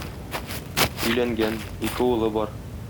Өйләнгән, ике улы бар.